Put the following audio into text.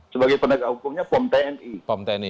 sebagai penegak hukumnya pom tni